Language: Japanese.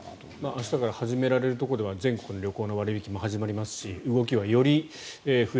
明日から始められるところでは全国の旅行の割引も始まりますし。